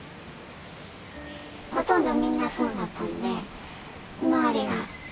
ほとんどみんなそうだったので、周りが。